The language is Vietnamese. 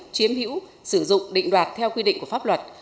chiếm hữu sử dụng định đoạt theo quy định của pháp luật